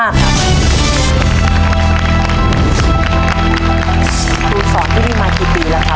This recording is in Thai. ครูสอนที่นี่มากี่ปีแล้วครับ